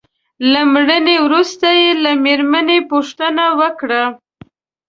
له مړینې وروسته يې له مېرمنې پوښتنه وکړه.